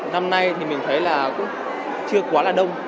năm nay thì mình thấy là cũng chưa quá là đông